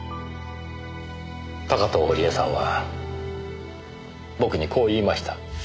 高塔織絵さんは僕にこう言いました。